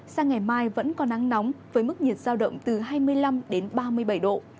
sang ngày mai vẫn có nắng nóng với mức nhiệt giao động từ hai mươi năm đến ba mươi bảy độ